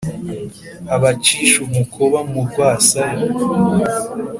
abacishe umukoba mu rwasaya,